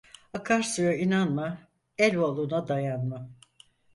Akarsuya inanma, eloğluna dayanma.